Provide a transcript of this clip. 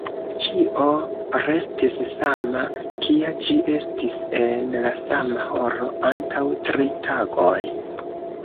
Ĉio restis sama, kia ĝi estis en la sama horo antaŭ tri tagoj.